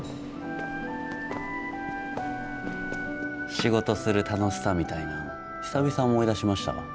仕事する楽しさみたいなん久々思い出しましたわ。